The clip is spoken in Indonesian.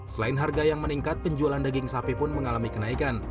selain harga yang meningkat penjualan daging sapi pun mengalami kenaikan